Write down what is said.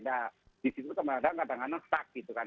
nah di situ kemarin ada kadang kadang stag gitu kan